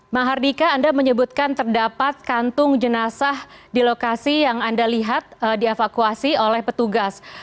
mahardika anda menyebutkan terdapat kantung jenazah di lokasi yang anda lihat dievakuasi oleh petugas